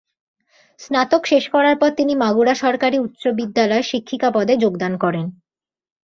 স্নাতক শেষ করার পর তিনি মাগুরা সরকারি উচ্চ বিদ্যালয়ে শিক্ষিকা পদে যোগদান করেন।